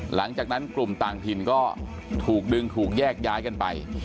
หลังจากนั้นกลุ่มต่างถิ่นก็ถูกดึงถูกแยกย้ายกันไป